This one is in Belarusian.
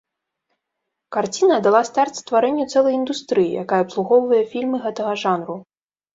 Карціна дала старт стварэнню цэлай індустрыі, якая абслугоўвае фільмы гэтага жанру.